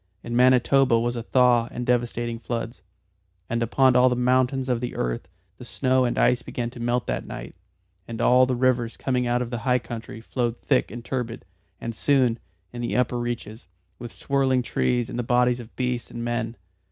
In Manitoba was a thaw and devastating floods. And upon all the mountains of the earth the snow and ice began to melt that night, and all the rivers coming out of high country flowed thick and turbid, and soon in their upper reaches with swirling trees and the bodies of beasts and men.